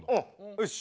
よし。